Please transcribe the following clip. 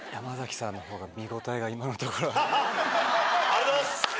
ありがとうございます。